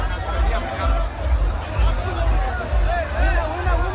ส่วนใหญ่เลยครับ